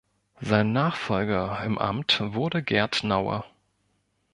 Sein Nachfolger im Amt wurde Gert Naue.